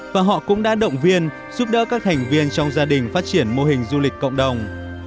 và họ cũng đã động viên giúp đỡ các thành viên trong gia đình phát triển mô hình du lịch cộng đồng